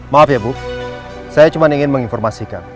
maaf ya bu saya cuma ingin menginformasikan